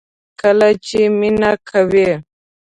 کله چې مینه کوئ